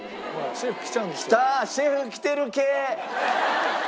シェフ来てる系！